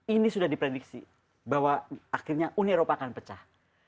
ini sudah diprediksi bahwa akhirnya uni eropa akan pecah